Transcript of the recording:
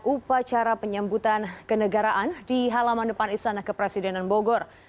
upacara penyambutan kenegaraan di halaman depan istana kepresidenan bogor